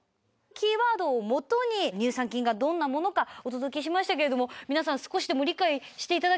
キーワードを基に乳酸菌がどんなものかお届けしましたけれども皆さん少しでも。